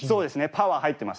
パワー入ってますね。